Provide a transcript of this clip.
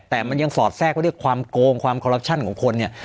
แต่มันยังสอดแทรกว่าด้วยความโกงความคอลลักชั่นของคนเนี่ย